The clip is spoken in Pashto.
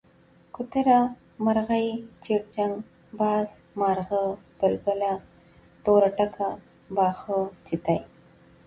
کوتره، مرغۍ، چيرچيڼک، باز، مارغه ،بلبله، توره ڼکه، باښه، چتی،